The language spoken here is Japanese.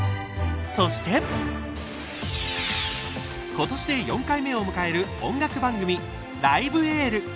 今年で４回目を迎える音楽番組「ライブ・エール」。